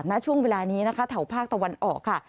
ณช่วงเวลานี้นะคะแถวภาคตะวันออกค่ะ